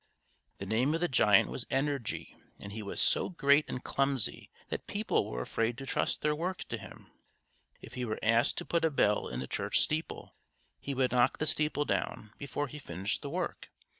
The name of the giant was Energy, and he was so great and clumsy that people were afraid to trust their work to him. If he were asked to put a bell in the church steeple, he would knock the steeple down, before he finished the work.